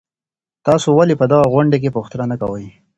تاسو ولي په دغه غونډې کي پوښتنه نه کوئ؟